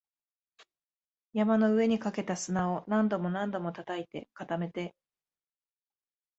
山の上にかけた砂を何度も何度も叩いて、固めて